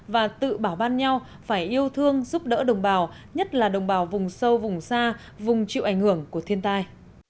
và tự bảo ban nhau phải yêu thương giúp đỡ đồng bào nhất là đồng bào vùng sâu vùng xa vùng chịu ảnh hưởng của thiên tai